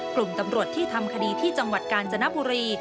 กลุ่มตำรวจที่ทำคดีที่จังหวัดกาญจนบุรี